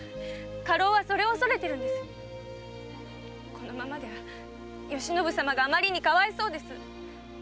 このままでは嘉信様があまりにかわいそうです！